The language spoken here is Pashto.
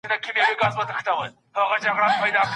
موږ باید له ماڼۍ څخه ډګر ته وړاندي لاړ سو.